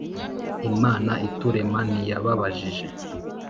Imana iturema ntiyababajije,